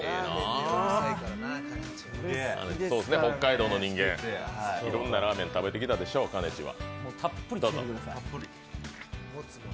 北海道の人間、いろんなラーメン食べてきたでしょう、かねちは。